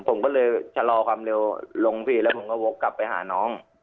ผมก็เลยชะลอความเร็วลงพี่แล้วผมก็วกกลับไปหาน้อง